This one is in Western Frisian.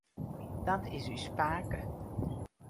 Dat is ús pake.